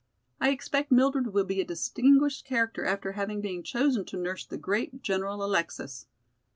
I expect Mildred will be a distinguished character after having been chosen to nurse the great General Alexis."